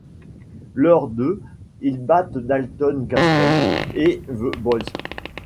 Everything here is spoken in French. Lors de ', ils battent Dalton Castle et The Boys.